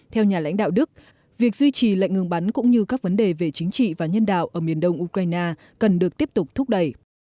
theo nhà lãnh đạo đức việc duy trì lệnh ngừng bắn cũng như các vấn đề về chính trị và nhân đạo ở miền đông ukraine cần được tiếp tục thúc đẩy